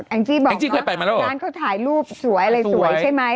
งจี้บอกแองจี้เคยไปมาแล้วร้านเขาถ่ายรูปสวยอะไรสวยใช่ไหม